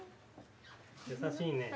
優しいね。